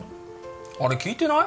あれ聞いてない？